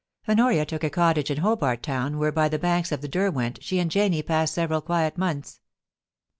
♦♦#♦#♦ Honoria took a cottage in Hobart Town, where by the banks of the Derwent she and Janie passed several quiet months.